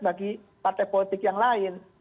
bagi partai politik yang lain